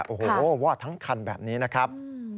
โอ้โหวอดทั้งคันแบบนี้นะครับ